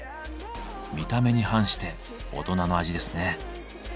見た目に反して大人の味ですね。